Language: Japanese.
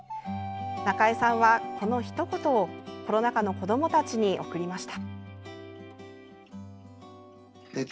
なかえさんはこのひと言をコロナ禍の子どもたちに贈りました。